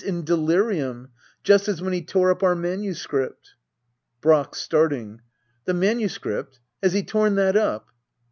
In delirium I Just as when he tore up our manuscript. Brack. [Starting.] The manuscript } Has he torn that up?